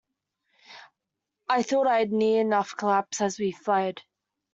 I thought I'd near enough collapse as we fled.